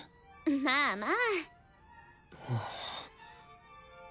まあまあ。